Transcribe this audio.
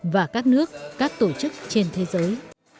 và các nước các tổ chức trên thế giới